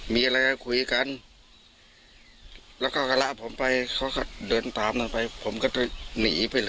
มีอะไรก็คุยกันแล้วก็กระผมไปเขาก็เดินตามกันไปผมก็จะหนีไปเลย